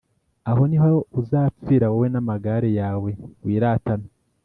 Aho ni ho uzapfira, wowe n’amagare yawe wiratana,